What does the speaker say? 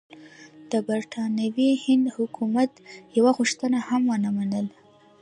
د برټانوي هند حکومت یوه غوښتنه هم ونه منله.